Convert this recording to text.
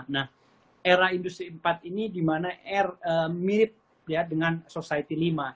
nah era industri empat ini dimana mirip ya dengan society lima